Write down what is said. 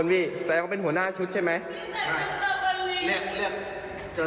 อันนี้คือตอนที่ญาติมาแล้วหลังที่ก่อเหตุแล้วหัวหน้าโรพพอร์ก็หลบหนีไป